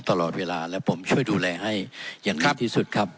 ตลอดเวลาและผมช่วยดูแลให้อย่างดีที่สุดครับ